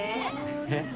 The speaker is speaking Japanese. えっ？